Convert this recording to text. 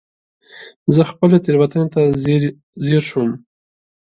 زه خپلې تېروتنې ته ځير شوم.